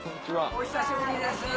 お久しぶりです。